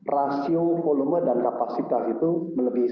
rasio volume dan kapasitas itu melebihi